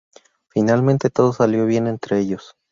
Finalmente, todo salió bien entre ellos.